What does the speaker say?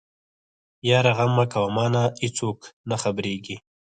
يره غم مکوه مانه ايڅوک نه خبرېږي.